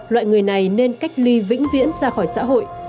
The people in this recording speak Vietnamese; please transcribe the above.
loại người này nên cách ly vĩnh viễn ra khỏi xã hội